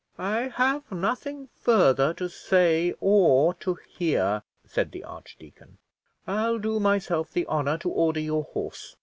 "I have nothing further to say or to hear," said the archdeacon. "I'll do myself the honour to order your horse."